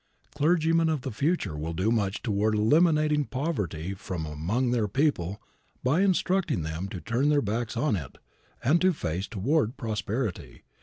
Clergymen of the future will do much toward eliminating poverty from among their people by instructing them to turn their backs on it and to face toward prosperity.